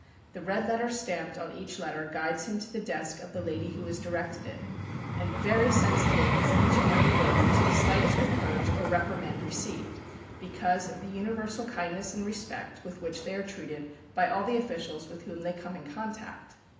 The red letter stamped on each letter guides him to the desk of the lady who has directed it; and very sensitive is each and every lady to the slightest reproach or reprimand received, because of the universal kindness and respect with which they are treated by all the officials with whom they come in contact.